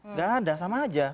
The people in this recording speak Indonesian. nggak ada sama aja